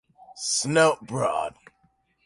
Snout broad.